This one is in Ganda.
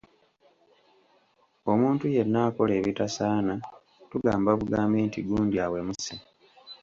Omuntu yenna akola ebitasaana tugamba bugambi nti gundi awemuse.